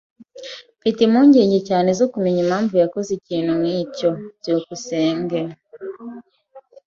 Mfite impungenge cyane zo kumenya impamvu yakoze ikintu nkicyo. byukusenge